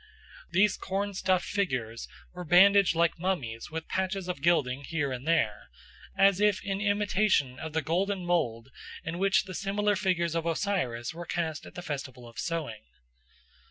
These corn stuffed figures were bandaged like mummies with patches of gilding here and there, as if in imitation of the golden mould in which the similar figures of Osiris were cast at the festival of sowing.